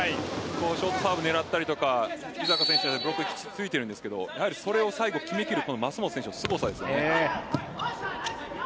ショートサーブを狙ったりとか井坂選手がブロックでついているんですがやはり、それを最後決めきる舛本選手の凄さですよね。